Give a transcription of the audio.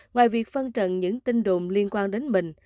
ngoài việc phân trần những tin đồn liên quan đến mình